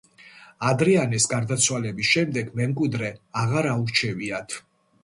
ადრიანეს გარდაცვალების შემდეგ მემკვიდრე აღარ აურჩევიათ.